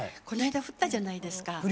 こないだ降ったじゃないですか。